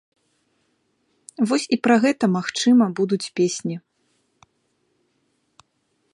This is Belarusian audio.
Вось і пра гэта, магчыма, будуць песні.